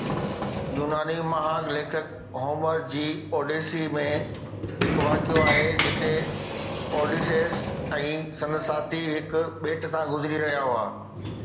يوناني مهاڳ ليکڪ هومر جي اوڊيسي ۾، هڪ واقعو آهي جتي اوڊيسيس ۽ سندس ساٿي هڪ ٻيٽ تان گذري رهيا هئا.